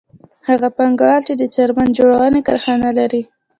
هغه پانګوال چې د څرمن جوړونې کارخانه لري